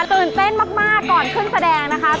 ตื่นเต้นมากก่อนขึ้นแสดงนะคะ